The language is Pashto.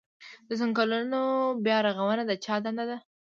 د ځنګلونو بیا رغونه د چا دنده ده؟